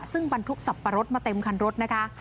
ซึ่งบรรทุกสับปะรดมาเต็มคันรถนะคะ